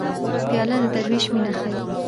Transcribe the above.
پیاله د دروېش مینه ښيي.